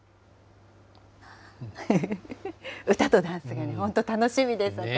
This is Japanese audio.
歌とダンスが本当、楽しみです。